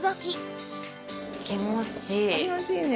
気持ちいいね。